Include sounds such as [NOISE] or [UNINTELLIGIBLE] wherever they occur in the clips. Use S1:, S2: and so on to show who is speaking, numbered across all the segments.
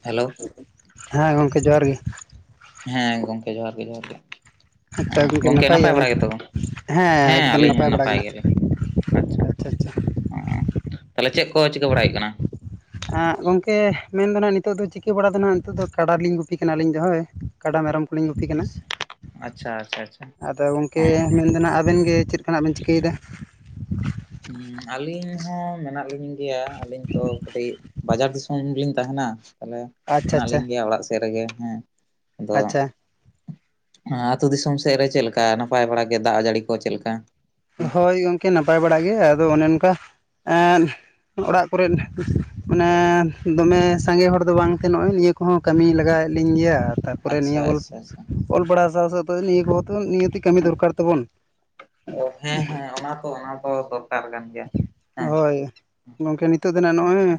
S1: Hello!
S2: ᱦᱮᱸ ᱜᱚᱝᱠᱮ ᱡᱚᱦᱟᱨ ᱜᱮ ᱾
S1: ᱦᱮᱸ ᱜᱚᱝᱠᱮ ᱡᱚᱦᱟᱨ ᱜᱮ ᱡᱚᱦᱟᱨ ᱜᱮ ᱾
S2: ᱟᱪᱪᱷᱟ
S1: ᱦᱮᱸ
S2: ᱜᱚᱢᱠᱮ
S1: ᱜᱚᱝᱠᱮ ᱱᱟᱯᱟᱭ
S2: ᱜᱮᱭᱟᱵᱮᱱ
S1: ᱵᱟᱲᱟ ᱜᱮᱛᱚ ᱜᱚᱜᱠᱮ? ᱦᱮᱸ
S2: ᱮᱠᱫᱚᱢ
S1: ᱟᱹᱞᱤᱧ ᱦᱚᱸ
S2: ᱵᱟᱲᱟ
S1: ᱱᱟᱯᱟᱭ
S2: ᱜᱮ ᱱᱟᱜ
S1: ᱜᱮᱞᱤᱧ ᱾ ᱟᱪᱪᱷᱟ ᱟᱪᱪᱷᱟ, ᱚ ᱛᱟᱦᱚᱞᱮ ᱪᱮᱜ ᱠᱚ ᱪᱤᱠᱟᱹ ᱵᱟᱲᱟᱭ ᱦᱩᱭᱩᱜ ᱠᱟᱱᱟ?
S2: ᱟᱸᱜ ᱜᱚᱝᱠᱮ ᱢᱮᱱᱫᱚ ᱦᱟᱸᱜ ᱱᱟᱦᱟᱜ ᱱᱤᱛᱚᱜ ᱫᱚ ᱪᱤᱠᱟᱹ ᱵᱟᱲᱟ ᱫᱚ ᱱᱟᱜ ᱱᱤᱛᱚᱜ ᱫᱚ ᱠᱟᱰᱟ ᱞᱤᱧ ᱜᱩᱯᱤ ᱠᱟᱱᱟ ᱟᱹᱞᱤᱧ ᱫᱚ ᱦᱳᱭ ᱠᱟᱰᱟ ᱢᱮᱨᱚᱢ ᱠᱩᱞᱤᱧ ᱜᱩᱯᱤ ᱠᱟᱱᱟ
S1: ᱟᱪᱪᱷᱟ ᱟᱪᱪᱷᱟ ᱟᱪᱪᱷᱟ
S2: ᱾ ᱟᱫᱚ ᱜᱚᱝᱠᱮ
S1: ᱦᱚᱸ
S2: ᱢᱮᱱ ᱫᱚ ᱱᱟᱜ ᱟᱵᱮᱱ ᱜᱮ ᱪᱮᱫ ᱠᱟᱱᱟᱜ ᱵᱮᱱ ᱪᱤᱠᱟᱹᱭᱮᱫᱟ?
S1: ᱦᱩᱸ ᱟᱹᱞᱤᱧ ᱦᱚᱸ ᱢᱮᱱᱟᱜ ᱞᱤᱧ ᱜᱮᱭᱟ ᱟᱹᱞᱤᱧ ᱛᱚ ᱠᱟᱹᱴᱤᱡ ᱵᱟᱡᱟᱨ ᱫᱤ ᱥᱚᱢ ᱞᱤᱧ ᱛᱟᱦᱮᱱᱟ, ᱛᱟᱦᱚᱞᱮ
S2: ᱟᱪᱪᱷᱟ
S1: ᱢᱮᱱᱟᱜ
S2: ᱟᱪᱪᱷᱟ
S1: ᱞᱤᱧ ᱜᱮᱭᱟ ᱚᱲᱟᱜ ᱥᱮᱜ ᱨᱮᱜᱮ ᱦᱮᱸ ᱾
S2: ᱟᱪᱪᱷᱟ ᱾
S1: ᱟᱹᱛᱩ ᱫᱤᱥᱚᱢ ᱥᱮᱜ ᱨᱮ ᱪᱮᱜ ᱞᱮᱠᱟ ᱱᱟᱯᱟᱭ ᱵᱟᱲᱟ ᱜᱮ ᱫᱟᱜ ᱡᱟᱹᱲᱤ ᱠᱚ ᱪᱮᱜᱞᱮᱠᱟ?
S2: ᱦᱳᱭ ᱜᱚᱝᱠᱮ ᱱᱟᱯᱟᱭ ᱵᱟᱲᱟ ᱜᱮ ᱟᱫᱚ ᱚᱱᱮ ᱚᱱᱠᱟ ᱮᱸᱫ ᱚᱲᱟᱜ ᱠᱚᱨᱮᱫ ᱢᱟᱱᱮ ᱫᱚᱢᱮ ᱥᱟᱸᱜᱮ ᱦᱚᱲ ᱫᱚ ᱵᱟᱝᱛᱮ ᱱᱚᱜᱼᱚᱭ ᱱᱤᱭᱟᱹ ᱠᱚᱦᱚᱸ ᱠᱟᱹᱢᱤ ᱞᱟᱜᱟᱣᱮᱫ ᱞᱤᱧ ᱜᱮᱭᱟ ᱛᱟ ᱯᱚᱨᱮ ᱱᱤᱭᱟᱹ
S1: ᱟᱪᱪᱷᱟ
S2: ᱚᱞ
S1: ᱟᱪᱪᱷᱟ ᱟᱪᱪᱷᱟ
S2: ᱚᱞ ᱯᱟᱲᱟᱣ ᱥᱟᱶ ᱥᱟᱶᱛᱮ ᱱᱤᱭᱟᱹ ᱠᱚᱦᱚ ᱛᱮ ᱱᱤᱦᱟᱹᱛᱤ ᱠᱟᱹᱢᱤ ᱫᱚᱨᱠᱟᱨ ᱛᱟᱵᱚᱱ ᱾
S1: ᱚ ᱦᱮᱸ ᱦᱮᱸ ᱚᱱᱟ ᱛᱚ ᱚᱱᱟ ᱫᱚ ᱫᱚᱨᱠᱟᱨ ᱠᱟᱱ ᱜᱮᱭᱟ ᱦᱮᱸ
S2: ᱦᱳᱭ ᱜᱚᱝᱠᱮ ᱱᱤᱛᱚᱜ ᱫᱚ ᱱᱟᱜ ᱱᱚᱜᱼᱚᱭ
S1: ᱟᱪᱪᱷᱟ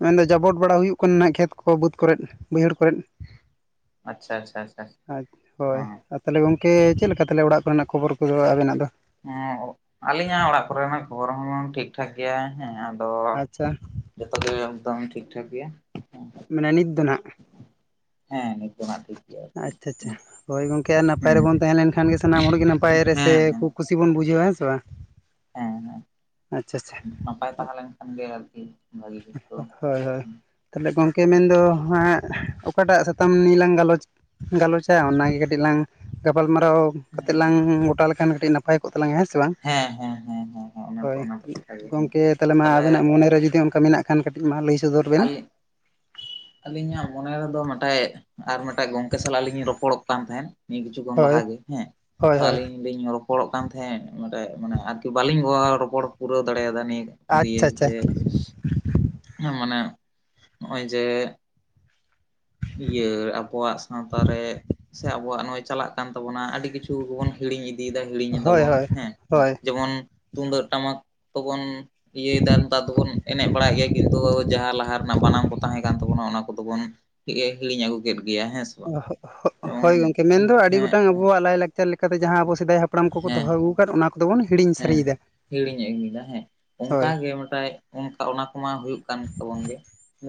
S2: ᱢᱮᱱᱫᱚ ᱡᱟᱵᱚᱰ ᱵᱟᱲᱟ ᱦᱩᱭᱩᱜ ᱠᱟᱱᱟ ᱱᱟᱦᱟᱜ ᱠᱷᱮᱛ ᱠᱚ ᱵᱟᱹᱫᱽ ᱠᱚᱨᱮᱫ ᱵᱟᱹᱭᱦᱟᱹᱲ ᱠᱚᱨᱮᱫ ᱾
S1: ᱟᱪᱪᱷᱟ ᱟᱪᱪᱷᱟ ᱟᱪᱪᱷᱟ,
S2: ᱟᱪᱷᱟ ᱦᱳᱭ
S1: ᱦᱮᱸ
S2: ᱾ ᱛᱟᱦᱚᱞᱮ ᱜᱚᱝᱠᱮ ᱪᱮᱫ ᱞᱮᱠᱟ ᱛᱟᱦᱚᱞᱮ ᱚᱲᱟᱜ ᱠᱚᱨᱮᱱᱟᱜ ᱠᱷᱚᱵᱚᱨ ᱠᱚᱫᱚ ᱟᱵᱮᱱᱟᱜ ᱫᱚ?
S1: ᱦᱚᱸ ᱟᱹᱞᱤᱧᱟᱜ ᱚᱲᱟᱜ ᱠᱚᱨᱮᱱᱟᱜ ᱠᱷᱚᱵᱚᱨ ᱦᱚᱸ ᱴᱷᱤᱠ ᱴᱷᱟᱠ ᱜᱮᱭᱟ ᱦᱮᱸ ᱾
S2: ᱟᱪᱪᱷᱟ ᱾
S1: ᱡᱚᱛᱚ ᱜᱮ ᱮᱠᱫᱚᱢ ᱴᱷᱤᱠ ᱴᱷᱟᱠ ᱜᱮᱭᱟ᱾
S2: ᱢᱟᱱᱮ ᱱᱤᱛ ᱫᱚ ᱱᱟᱜ ᱾
S1: ᱦᱮᱸ ᱱᱤᱛᱚᱜ ᱟᱱᱟᱜ ᱴᱷᱤᱠ ᱜᱮᱭᱟ
S2: ᱟᱪᱪᱷᱟ ᱟᱪᱪᱷᱟ ᱦᱳᱭ ᱜᱚᱝᱠᱮ ᱱᱟᱯᱟᱭ
S1: ᱦᱮᱸ
S2: ᱨᱮᱵᱚᱱ ᱛᱟᱦᱮᱸ ᱞᱮᱱᱠᱷᱟᱱ ᱜᱮ ᱥᱟᱱᱟᱢ ᱦᱚᱲᱜᱮ ᱱᱟᱯᱟᱭ ᱨᱮᱥᱮ
S1: ᱦᱮᱸ
S2: ᱠᱩᱥᱤ ᱵᱚᱱ ᱵᱩᱡᱷᱟᱹᱣᱟ ᱦᱮᱸ ᱥᱮ ᱵᱟᱝ?
S1: ᱦᱮᱸ ᱦᱮᱸ ᱾
S2: ᱟᱪᱪᱷᱟ ᱟᱪᱪᱷᱟ ᱾
S1: ᱱᱟᱯᱟᱭ ᱛᱟᱦᱮᱸ ᱞᱮᱱᱠᱷᱟᱱ ᱜᱮ ᱟᱨᱠᱤ ᱵᱷᱟᱹᱜᱤ ᱠᱤᱪᱷᱩ
S2: [INAUDIBLE] ᱦᱳᱭ ᱦᱳᱭ ᱛᱟᱦᱚᱞᱮ ᱜᱚᱝᱠᱮ ᱢᱮᱱᱫᱚ ᱦᱟᱸᱜ ᱚᱠᱟᱴᱟᱜ ᱥᱟᱛᱟᱢ ᱱᱤᱭᱟᱹ ᱞᱟᱝ ᱜᱟᱞᱚᱪ? ᱜᱟᱞᱚᱪᱟ ᱚᱱᱟᱜᱮ ᱠᱟᱹᱴᱤᱡ ᱞᱟᱝ ᱜᱟᱯᱟᱞᱢᱟᱨᱟᱣ ᱠᱟᱛᱮᱜ
S1: ᱦᱮᱸ
S2: ᱞᱟᱝ ᱜᱚᱴᱟ ᱞᱮᱠᱷᱟᱱ ᱠᱟᱹᱴᱤᱡ ᱱᱟ ᱱᱟᱯᱟᱭ ᱠᱚᱜ ᱛᱟᱞᱟᱝ ᱜᱮᱭᱟ ᱦᱮᱸ ᱥᱮ ᱵᱟᱝ?
S1: ᱦᱮᱸ ᱦᱮᱸ ᱦᱮᱸ ᱦᱮᱸ ᱚᱱᱟ ᱛᱚ
S2: ᱦᱳᱭ,
S1: ᱚᱱᱟ ᱛᱚ ᱠᱟᱛᱷᱟ ᱜᱮ
S2: ᱜᱚᱝᱠᱮ ᱛᱟᱦᱚᱞᱮ ᱢᱟ ᱟᱵᱮᱱᱟᱜ ᱢᱚᱱᱮᱨᱮ ᱡᱩᱫᱤ ᱚᱱᱠᱟ ᱢᱮᱱᱟᱜ ᱠᱷᱟᱱ ᱠᱟᱹᱴᱤᱡ ᱢᱟ ᱞᱟᱹᱭ ᱥᱚᱫᱚᱨ ᱵᱮᱱ?
S1: ᱟᱹᱞᱤᱧ ᱟᱹᱞᱤᱧᱟᱜ ᱢᱚᱱᱮ ᱨᱮᱫᱚ ᱢᱤᱫᱴᱮᱡ ᱟᱨ ᱢᱤᱫᱴᱮᱡ ᱜᱚᱝᱠᱮ ᱥᱟᱞᱟᱜ ᱞᱤᱧ ᱨᱚᱯᱚᱲᱚᱜ ᱠᱟᱱ ᱛᱟᱦᱮᱸᱫ ᱾ ᱢᱤᱫ ᱠᱤᱪᱷᱩ ᱠᱷᱚᱱ
S2: ᱦᱳᱭ
S1: ᱞᱟᱦᱟ ᱜᱮ ᱦᱮᱸ
S2: ᱦᱳᱭ
S1: ᱛᱚ
S2: ᱦᱳᱭ
S1: ᱟᱹᱞᱤᱧ ᱞᱤᱧ ᱨᱚ ᱯᱚᱲᱚᱜ ᱠᱟᱱ ᱛᱟᱦᱮᱸᱫ ᱱᱚᱰᱮ ᱢᱟᱱᱮ ᱟᱨᱠᱤ ᱵᱟᱹᱞᱤᱧ ᱜᱚᱣᱟᱣ ᱨᱚᱯᱚᱲ ᱯᱩᱨᱟᱹᱣ ᱫᱟᱲᱮᱭᱟᱫᱟ ᱱᱤᱭᱟᱹᱴ ᱫᱤᱭᱮ
S2: ᱟᱪᱪᱷᱟ ᱟᱪᱪᱷᱟ
S1: ᱡᱮ ᱢᱟᱱᱮ ᱱᱚᱜᱚᱭ ᱡᱮ ᱤᱭᱟᱹ ᱟᱵᱚᱣᱟᱜ ᱥᱟᱶᱛᱟ ᱨᱮ ᱥᱮ ᱟᱵᱚᱣᱟᱜ ᱱᱚᱜᱚᱭ ᱪᱟᱞᱟᱜ ᱠᱟᱱ ᱛᱟᱵᱚᱱᱟ ᱟᱹᱰᱤ ᱠᱤᱪ ᱪᱷᱩ ᱜᱮᱵᱚᱱ ᱦᱤᱲᱤᱧ ᱤᱫᱤᱭᱮᱫᱟ ᱦᱤᱲᱤᱧ
S2: ᱦᱳᱭ
S1: ᱫᱟᱵᱚᱱ
S2: ᱦᱳᱭ
S1: ᱦᱮᱸ
S2: ᱦᱳᱭ
S1: ᱡᱮᱢᱚᱱ ᱛᱩᱢᱫᱟᱹᱜ ᱴᱟᱢᱟᱠᱭ ᱠᱚᱵᱚᱱ ᱤᱭᱟᱹᱭᱫᱟ ᱱᱮᱛᱟᱨ ᱫᱚᱵᱚᱱ ᱮᱱᱮᱡ ᱵᱟᱲᱟᱭ ᱜᱮᱭᱟ ᱠᱤᱱᱛᱩ ᱡᱟᱦᱟᱸ ᱞᱟᱦᱟ ᱨᱮᱱᱟᱜ ᱵᱟᱱᱟᱢ ᱠᱚ ᱛᱟᱦᱮᱸ ᱠᱟᱱ ᱛᱟᱵᱚᱱᱟ ᱚᱱᱟ ᱠᱚᱫᱚ ᱵᱚᱱ ᱮ ᱦᱤᱨᱤᱧ ᱟᱹᱜᱩ ᱠᱮᱫ ᱜᱮᱭᱟ ᱦᱮᱸᱥᱮ?
S2: ᱚᱦᱚ ᱚᱦᱚ ᱦᱳᱭ ᱜᱚᱝᱠᱮ ᱢᱮᱱᱫᱚ ᱟᱹᱰᱤ ᱜᱚᱴᱟᱝ ᱟᱵᱚᱣᱟᱜ ᱞᱟᱭᱼᱞᱟᱠᱪᱟᱨ ᱞᱮᱠᱟᱛᱮ ᱡᱟᱦᱟᱸ ᱟᱵᱚ ᱥᱮᱫᱟᱭ ᱦᱟᱯ ᱯᱲᱟᱢ ᱠᱚᱠᱚ
S1: ᱦᱮᱸ
S2: ᱫᱚᱦᱚ ᱟᱜᱩ ᱠᱟᱫ ᱚᱱᱟ ᱠᱚᱫᱚᱵᱚᱱ ᱦᱤᱲᱤᱧ
S1: ᱦᱮᱸ
S2: ᱥᱟᱹᱨᱤᱭᱮᱫᱟ
S1: ᱦᱤᱲᱤᱧ ᱮᱫ ᱜᱮᱭᱟ ᱦᱮᱸ ᱾
S2: ᱦᱳᱭ
S1: ᱚᱱᱠᱟᱜᱮ ᱢᱤᱫᱴᱟᱡ ᱚᱱᱠᱟ ᱚᱱᱟ ᱠᱚᱢᱟ ᱦᱩᱭᱩᱜ ᱠᱟᱱ ᱛᱟᱵᱚᱱ ᱜᱮ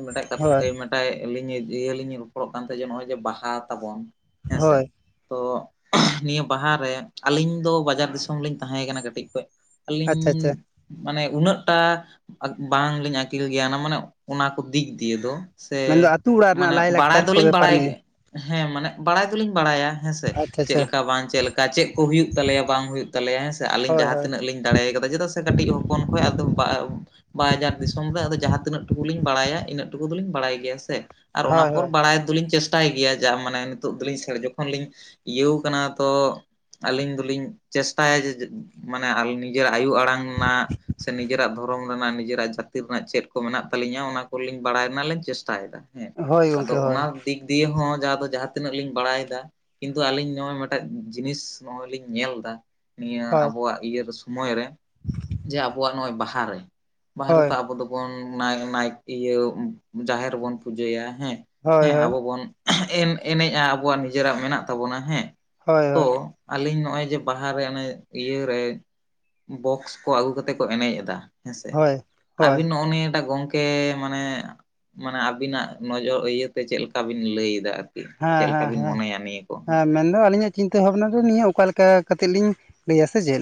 S1: ᱢᱤᱫᱴᱟᱝ ᱠᱟᱛᱷᱟ
S2: ᱦᱳᱭ
S1: ᱟᱭ ᱴᱟᱭ ᱟᱞᱤᱧ ᱤᱭᱟᱹ ᱞᱤᱧᱟᱹ ᱨᱚᱯᱚᱲᱚᱜ ᱠᱟᱱ ᱛᱟᱦᱮᱸ ᱡᱮ ᱱᱚᱜᱚᱭ ᱡᱮ ᱵᱟᱦᱟ ᱛᱟᱵᱚᱱ ᱦᱮᱸ ᱥᱮ
S2: ᱦᱳᱭ
S1: ᱛᱚ ᱱᱤᱭᱟᱹ ᱵᱟᱦᱟᱨᱮ ᱟᱹᱞᱤᱧ ᱫᱚ ᱵᱟᱡᱟᱨ ᱫᱤᱥᱚᱢ ᱞᱤᱧ ᱛᱟᱦᱮᱸᱠᱟᱱᱟ ᱠᱟᱹᱴᱤᱡ ᱠᱷᱚᱱ ᱾ ᱟᱹᱞᱤᱧ
S2: ᱟᱪᱪᱷᱟ ᱟᱪᱪᱷᱟ
S1: ᱢᱟᱱᱮ ᱩᱱᱟᱹᱜ ᱴᱟ ᱟᱠ ᱵᱟᱝᱞᱤᱧ ᱟᱹᱠᱤᱞ ᱜᱮᱭᱟᱱᱟ ᱢᱟᱱᱮ ᱚᱱᱟᱠᱚ ᱫᱤᱠ ᱫᱤᱭᱮ ᱫᱚ᱾ ᱥᱮ
S2: ᱢᱮᱱᱫᱚ ᱟᱹᱛᱩ ᱚᱲᱟᱜ ᱨᱮᱱᱟᱜ
S1: ᱢᱟᱱᱮ ᱵᱟᱲᱟᱭ
S2: ᱞᱟᱭᱼᱞᱟᱠᱪᱟᱨ ᱠᱚ
S1: ᱫᱚᱞᱤᱧ
S2: ᱵᱮᱯᱟᱨ
S1: ᱵᱟᱲᱟᱭ
S2: ᱱᱤᱭᱮ
S1: ᱜᱮ ᱦᱮᱸ ᱢᱟᱱᱮ ᱵᱟᱲᱟᱭ ᱫᱚᱞᱤᱧ ᱵᱟᱲᱟᱭᱟ ᱦᱮᱸᱥᱮ ᱥᱮ
S2: ᱟᱪᱪᱷᱟ
S1: ᱪᱮᱫ
S2: ᱟᱪᱪᱷᱟ
S1: ᱞᱮᱠᱟ ᱵᱟᱝ ᱪᱮᱫ ᱞᱮᱠᱟ ᱪᱮᱫ ᱠᱚ ᱦᱩᱭᱩᱜ ᱛᱟᱞᱮᱭᱟ ᱵᱟᱝ ᱦᱩᱭᱩᱜ ᱛᱟᱞᱮᱭᱟ ᱦᱮᱸ ᱥᱮ ᱟᱞᱤᱧ
S2: ᱦᱳᱭ ᱦᱳᱭ
S1: ᱵᱟᱞᱤᱧ ᱫᱟᱲᱮ ᱠᱟᱫᱟ ᱪᱮᱫᱟᱜ ᱥᱮ ᱠᱟᱹᱴᱤᱡ ᱦᱚᱯᱚᱱ ᱠᱷᱚᱱ ᱟᱫᱚ ᱵᱟᱭ ᱵᱟᱡᱟᱨ ᱫᱤᱥᱚᱢ ᱨᱮ ᱟᱫᱚ ᱡᱟᱦᱟᱸ ᱛᱤᱱᱟᱹᱜ ᱴᱩᱠᱩᱞᱤᱧ ᱵᱟᱲᱟᱭᱟ ᱤᱱᱟᱹᱜ ᱴᱩᱠᱩ ᱫᱚᱞᱤᱧ ᱵᱟᱲᱟᱭ ᱜᱮᱭᱟ ᱥᱮ? ᱟᱨ ᱚᱱᱟ
S2: ᱦᱳᱭ
S1: ᱯᱚᱨ
S2: ᱦᱳᱭ
S1: ᱵᱟᱲᱟᱭ ᱫᱚᱞᱤᱧ ᱪᱮᱥ ᱴᱟᱭ ᱜᱮᱭᱟ ᱡᱟ ᱢᱟᱱᱮ ᱱᱤᱛᱚᱜ ᱫᱚᱞᱤᱧ ᱡᱚᱠᱷᱚᱱ ᱞᱤᱧ ᱤᱭᱟᱹᱣ ᱠᱟᱱᱟ ᱛᱚ ᱟᱹᱞᱤᱧ ᱫᱚᱞᱤᱧ ᱪᱮᱥᱴᱟᱭᱟ ᱡᱮ ᱢᱟᱱᱮ ᱱᱤᱡᱮᱨᱟᱜ ᱟᱭᱳ ᱟᱲᱟᱝ ᱨᱮᱱᱟᱜ ᱥᱮ ᱱᱤᱡᱮᱨᱟᱜ ᱫᱷᱚᱨᱚᱢ ᱨᱮᱱᱟᱜ ᱱᱤᱡᱮᱨᱟᱜ ᱡᱟᱹᱛᱤ ᱨᱮᱱᱟᱜ ᱪᱮᱫ ᱠᱚ ᱢᱮᱱᱟᱜ ᱛᱟᱹᱞᱤᱧᱟ ᱚᱱᱟ ᱠᱚᱞᱤᱧ ᱵᱟᱲᱟᱭ ᱨᱮᱱᱟᱜ ᱞᱮ ᱪᱮᱥᱴᱟᱭᱮᱫᱟ᱾ ᱦᱮᱸ
S2: ᱦᱳᱭ
S1: ᱟᱫᱚ
S2: ᱜᱚᱢᱠᱮ ᱦᱳᱭ
S1: ᱚᱱᱟ ᱫᱤᱠ ᱫᱤᱭᱮ ᱦᱚᱸ ᱡᱟᱦᱟᱸ ᱫᱚ ᱡᱟᱦᱟᱸ ᱛᱤᱱᱟᱹᱜ ᱞᱤᱧ ᱵᱟᱲᱟᱭᱫᱟ ᱾ ᱠᱤᱱᱛᱩ ᱟᱞᱤᱧ ᱱᱚᱜᱚᱭ ᱢᱤᱫᱴᱟᱝ ᱡᱤᱱᱤᱥ ᱱᱚᱜᱚᱭ ᱞᱤᱧ ᱧᱮᱞ ᱫᱟ ᱱᱤᱭᱮ
S2: ᱦᱳᱭ
S1: ᱠᱚᱣᱟᱜ ᱤᱭᱟᱹ ᱫᱚ ᱥᱚᱢᱚᱭ ᱨᱮ ᱡᱮ ᱟᱵᱚᱣᱟᱜ ᱱᱚᱜᱚᱭ ᱵᱟᱦᱟ ᱨᱮ ᱵᱟᱦᱟ
S2: ᱦᱳᱭ
S1: ᱨᱮᱛᱚ ᱟᱵᱚ ᱫᱚ ᱵᱚᱱ ᱚᱱᱟᱭ ᱚᱱᱟᱭ ᱤᱭᱟᱹ ᱡᱟᱦᱮᱨ ᱨᱮᱵᱚᱱ ᱯᱩᱡᱟᱹᱭᱟ ᱦᱮᱸ
S2: ᱦᱳᱭ
S1: ᱦᱮᱸ
S2: ᱦᱳᱭ
S1: ᱟᱵᱚ ᱵᱚᱱ ᱮᱱ ᱮᱱᱮᱡᱼᱟ ᱟᱵᱚᱣᱟᱜ ᱱᱤᱡᱮᱨᱟᱜ ᱢᱮᱱᱟᱜ ᱛᱟᱵᱚᱱᱟ ᱦᱮᱸ
S2: ᱦᱳᱭ ᱦᱳᱭ
S1: ᱛᱚ ᱟᱹᱞᱤᱧ ᱱᱚᱜᱚᱭ ᱡᱮ ᱵᱟᱦᱟ ᱨᱮ ᱚᱱᱮ ᱤᱭᱟᱹᱨᱮ ᱵᱚᱠᱥ ᱠᱚ ᱟᱹᱜᱩ ᱠᱟᱛᱮ ᱠᱚ ᱮᱱᱮᱡ ᱮᱫᱟ᱾ ᱦᱮᱸᱥᱮ
S2: ᱦᱳᱭ ᱦᱳᱭ
S1: ᱟᱵᱤᱱ ᱱᱚᱜᱼᱚ ᱱᱤᱭᱟᱹ ᱴᱟᱜ ᱜᱚᱝᱠᱮ ᱠᱮ ᱢᱟᱱᱮ ᱢᱟᱱᱮ ᱟᱵᱤᱱᱟᱜ ᱱᱚᱡᱚᱨ ᱤᱭᱟᱹᱛᱮ ᱪᱮᱫ ᱞᱮᱠᱟ ᱵᱤᱱ ᱞᱟᱹᱭ ᱮᱫᱟ ᱟᱨ?
S2: ᱦᱮᱸ ᱦᱮᱸ ᱦᱮᱸ ᱦᱮᱸ ᱢᱮᱱᱫᱚ ᱟᱹᱞᱤᱧᱟᱜ ᱪᱤᱱᱛᱟᱹ ᱵᱷᱟᱵᱱᱟ ᱫᱚ ᱱᱤᱭᱟᱹ ᱚᱠᱟᱞᱮᱠᱟ ᱠᱟᱛᱮᱫ ᱞᱤᱧ ᱞᱟᱹᱭᱟ ᱥᱮ ᱪᱮᱫ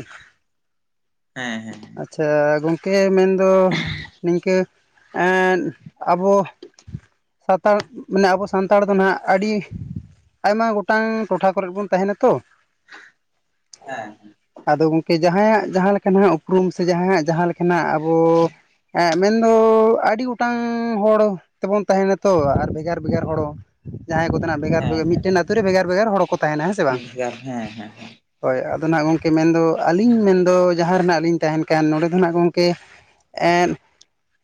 S1: ᱦᱮᱸ ᱦᱮᱸ
S2: ᱪᱷᱟ ᱜᱚᱝᱠᱮ ᱢᱮᱱᱫᱚ ᱱᱤᱝᱠᱟᱹ ᱮᱫ ᱟᱵᱚ ᱥᱟᱱᱛᱟᱲ ᱢᱟᱱᱮ ᱟᱵᱚ ᱥᱟᱱᱛᱟᱲ ᱫᱚ ᱱᱟᱦᱟᱜ ᱟᱹᱰᱤ ᱟᱭᱢᱟ ᱜᱚᱴᱟᱝ ᱴᱚᱴᱷᱟ ᱠᱚᱨᱮ ᱵᱚᱱ ᱛᱟᱦᱮᱸᱱᱟ ᱛᱚ
S1: ᱦᱮᱸ
S2: ᱟᱫᱚ ᱜᱚᱝᱠᱮ ᱡᱟᱦᱟᱸᱭᱟᱜ ᱡᱟᱦᱟᱸ ᱞᱮᱠᱟ ᱱᱟᱦᱟᱜ ᱩᱯᱨᱩᱢ ᱥᱮ ᱡᱟᱦᱟᱭᱟᱜ ᱡᱟᱦᱟᱸ ᱞᱮᱠᱟᱱᱟᱜ ᱟᱵᱚ ᱮᱸ ᱢᱮᱱ ᱫᱚ ᱟᱹᱰᱤ ᱜᱚᱴ ᱴᱟᱝ ᱦᱚᱲ ᱛᱮᱵᱚᱱ ᱛᱟᱦᱮᱸ ᱱᱟᱛᱚ ᱟᱨ ᱵᱷᱮᱜᱟᱨ ᱵᱷᱮᱜᱟᱨ ᱦᱚᱸᱲ ᱦᱚ ᱡᱟᱦᱟᱸᱭ ᱠᱚ ᱛᱟᱦᱮᱱᱟ ᱵᱷᱮᱜᱟᱨ
S1: ᱦᱮᱸ
S2: ᱵᱷᱮᱜᱟᱨ
S1: ᱦᱮᱸ
S2: ᱢᱤᱫᱴᱮᱱ ᱟᱛᱳ ᱨᱮ ᱵᱷᱮᱜᱟᱨ ᱵᱷᱮᱜᱟᱨ ᱦᱚᱲ ᱠᱚ ᱛᱟᱦᱮᱸᱱᱟ ᱾ᱦᱮᱸ ᱥᱮ ᱵᱟᱝ?
S1: ᱵᱷᱮᱜᱟᱨ ᱦᱮᱸ ᱦᱮᱸ
S2: ᱦᱳᱭ ᱟᱫᱚ ᱱᱟᱜ ᱜᱚᱝᱠᱮ ᱢᱮᱱ ᱫᱚ ᱟᱹᱞᱤᱧ ᱢᱮᱱ ᱫᱚ ᱡᱟᱦᱟᱸ ᱨᱮᱱᱟᱜ ᱞᱤᱧ ᱛᱟᱦᱮᱸᱱ ᱠᱟᱱ ᱱᱚᱸᱰᱮ ᱫᱚ ᱱᱟᱜ ᱜᱚᱝᱠᱮ ᱮᱱ